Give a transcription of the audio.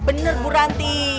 bener bu ranti